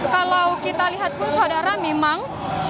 kalau kita lihat pun saudara memang